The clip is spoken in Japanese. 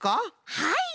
はい。